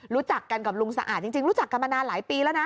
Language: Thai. รู้จักกันกับลุงสะอาดจริงรู้จักกันมานานหลายปีแล้วนะ